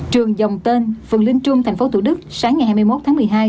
trường dòng tên phường linh trung tp thủ đức sáng ngày hai mươi một tháng một mươi hai